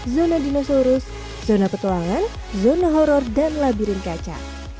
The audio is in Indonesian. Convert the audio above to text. zona dinosaurus zona petualangan zona horror dan labirin kaca